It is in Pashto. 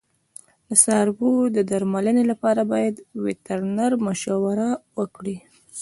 د څارویو د درملنې لپاره باید وترنر مشوره ورکړي.